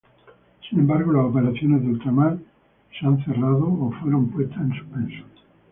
Sin embargo, las operaciones de ultramar han sido cerradas o fueron puestas en suspenso.